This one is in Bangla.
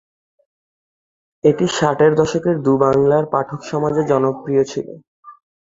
এটি ষাটের দশকে দু-বাংলার পাঠক সমাজে জনপ্রিয় ছিল।